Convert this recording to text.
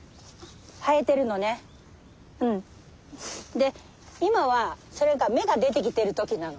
で今はそれが芽が出てきてる時なの。